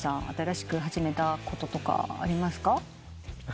新しく始めたこととかありますか？